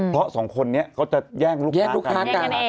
เพราะสองคนนี้เขาจะแย่งลูกค้ากัน